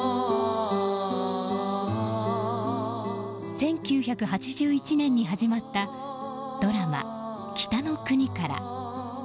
１９８１年に始まったドラマ「北の国から」。